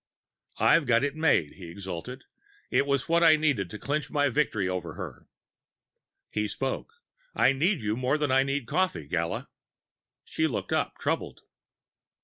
I've got it made, he exulted; it was what I needed to clinch my victory over her. He spoke: "I need you more than I need coffee, Gala." She looked up, troubled.